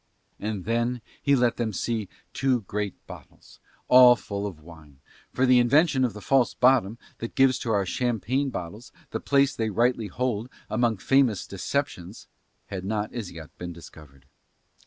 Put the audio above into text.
And then he let them see the two great bottles, all full of wine, for the invention of the false bottom that gives to our champagne bottles the place they rightly hold among famous deceptions had not as yet been discovered.